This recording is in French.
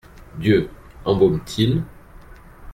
Dieu ! embaume-t-il !